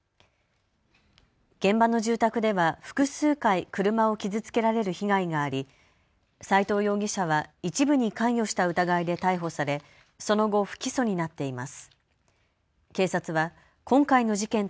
現場の住宅では複数回車を傷つけられる被害があり斎藤容疑者は一部に関与した疑いで逮捕されその後不起訴になっています。